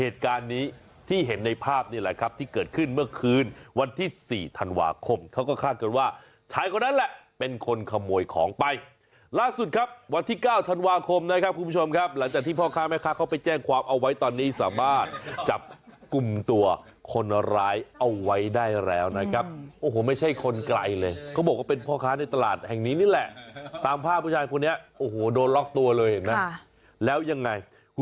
ถ้าเกิดว่าชายคนนั้นแหละเป็นคนขโมยของไปล่าสุดครับวันที่๙ธันวาคมนะครับคุณผู้ชมครับหลังจากที่พ่อค้าแม่ค้าเข้าไปแจ้งความเอาไว้ตอนนี้สามารถจับกลุ่มตัวคนร้ายเอาไว้ได้แล้วนะครับโอ้โหไม่ใช่คนไกลเลยเขาบอกว่าเป็นพ่อค้าในตลาดแห่งนี้นี่แหละตามภาพผู้ชายคนนี้โอ้โหโดนล็อกตัวเลยเห็